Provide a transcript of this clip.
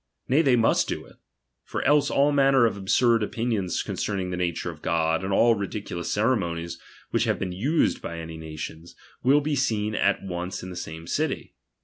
Nay, they must do it ; for else all manner of absurd opinions concerning the nature of God, and all ridi culous ceremonies which have been used by any nations, will be seen at ouce in the same city.